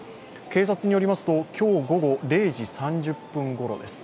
警察によりますと今日午後０時３０分ごろです。